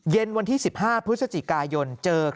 เย็นวันที่๑๕พฤศจิกายน